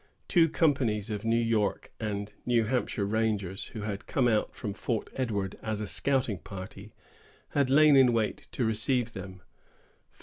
Two companies of New York and New Hampshire rangers, who had come out from Fort Edward as a scouting party, had lain in wait to receive them.